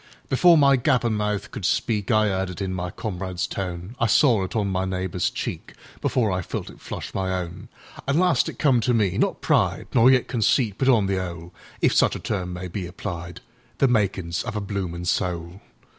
Before my gappin' mouth could speakI 'eard it in my comrade's tone;I saw it on my neighbour's cheekBefore I felt it flush my own. An' last it come to me—not pride, Nor yet conceit, but on the 'ole(If such a term may be applied),The makin's of a bloomin' soul.